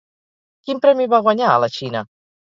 Quin premi va guanyar a la Xina?